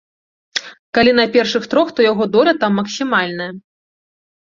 Калі на першых трох, то яго доля там максімальная.